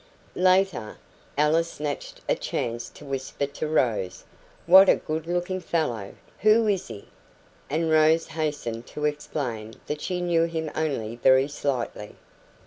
Later, Alice snatched a chance to whisper to Rose: "What a good looking fellow! Who is he?" And Rose hastened to explain that she knew him only very slightly.